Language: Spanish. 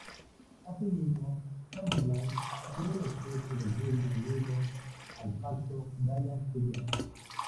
Asimismo Chamberlain aseguró el acceso del Reino Unido al Pacto Briand-Kellogg.